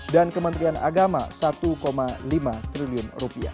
kementerian agama rp satu lima triliun